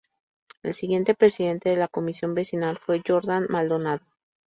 El siguiente presidente de la Comisión Vecinal fue Jordán Maldonado.